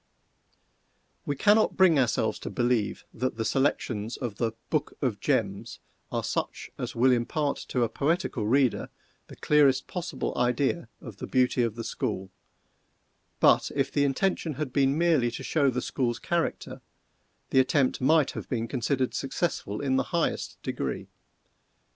We can not bring ourselves to believe that the selections of the "Book of Gems" are such as will impart to a poetical reader the clearest possible idea of the beauty of the school but if the intention had been merely to show the school's character, the attempt might have been considered successful in the highest degree.